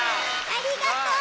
ありがとう。